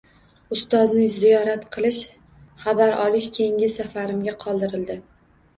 Ustozni ziyorat qilish, xabar olish keyingi safarimga qoldirildi.